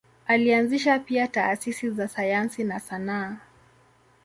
Alianzisha pia taasisi za sayansi na sanaa.